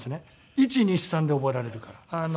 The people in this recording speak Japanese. １２３で覚えられるから。